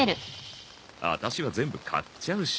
アタシは全部買っちゃうし。